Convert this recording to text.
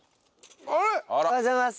おはようございます！